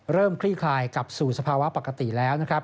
คลี่คลายกลับสู่สภาวะปกติแล้วนะครับ